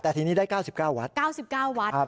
แต่ทีนี้ได้๙๙วัตต์